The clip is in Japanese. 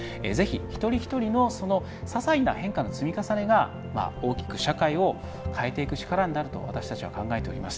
一人ひとりのささいな変化の積み重ねが大きく社会を変えていく力になると私たちは考えています。